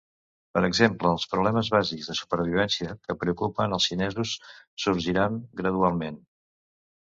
Per exemple, els problemes bàsics de supervivència que preocupen els xinesos sorgiran gradualment.